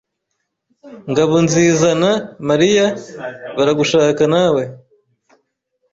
Ngabonzizana Mariya baragushaka nawe.